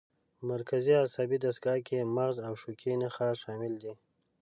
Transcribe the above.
په مرکزي عصبي دستګاه کې مغز او شوکي نخاع شامل دي.